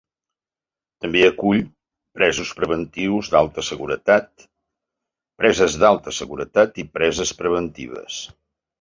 També acull presos preventius d'alta seguretat, preses d'alta seguretat i preses preventives.